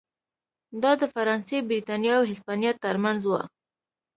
دا د فرانسې، برېټانیا او هسپانیا ترمنځ و.